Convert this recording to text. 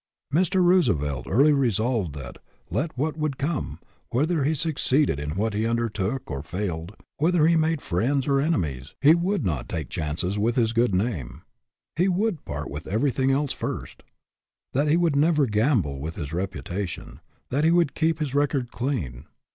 Mr. Roosevelt early resolved that, let what would come, whether he succeeded in what he undertook or failed, whether he made friends or enemies, he would not take chances with his good name he would part with everything else first ; that he would never gam ble with his reputation; that he would keep his record clean.